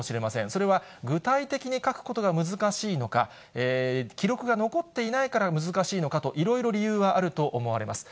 それは具体的に書くことが難しいのか、記録が残っていないから、難しいのかと、いろいろ理由はあると思われます。